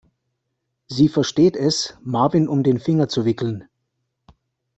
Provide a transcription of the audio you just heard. Sie versteht es, Marvin um den Finger zu wickeln.